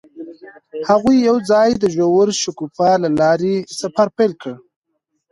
هغوی یوځای د ژور شګوفه له لارې سفر پیل کړ.